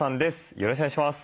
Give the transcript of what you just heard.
よろしくお願いします。